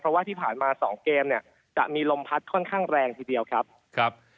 เพราะว่าที่ผ่านมาสองเกมเนี่ยจะมีลมพัดค่อนข้างแรงทีเดียวครับครับ